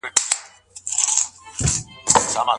ولي بايد د لور شکايت جدي ونيول سي؟